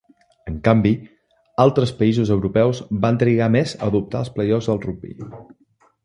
En canvi, altres països europeus van trigar més a adoptar els play-offs al rugbi.